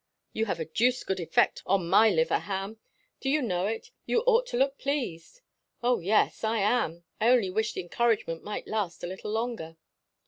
You have a deuced good effect on my liver, Ham. Do you know it? You ought to look pleased." "Oh, yes. I am. I only wish the encouragement might last a little longer."